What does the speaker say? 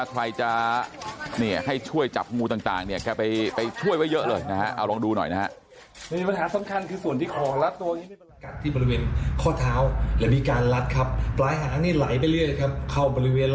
ถ้าใครจะให้ช่วยจับงูต่างเนี่ยแกไปช่วยไว้เยอะเลยนะฮะเอาลองดูหน่อยนะฮะ